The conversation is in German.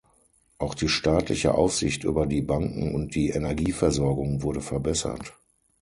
Auch die staatliche Aufsicht über die Banken und die Energieversorgung wurde verbessert.